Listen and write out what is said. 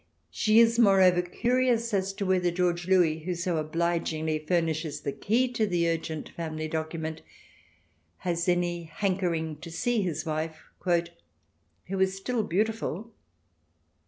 She is, moreover, curious as to whether George Louis, who so obligingly furnishes the key to the urgent family document, has any hankering to see his wife, " who is still beautiful."